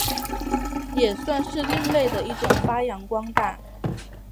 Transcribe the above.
也算是另类的一种发扬光大。